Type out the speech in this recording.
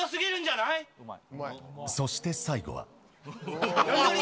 そして最後は。